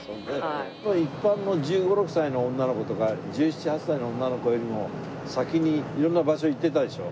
一般の１５１６歳の女の子とか１７１８歳の女の子よりも先にいろんな場所行ってたでしょ？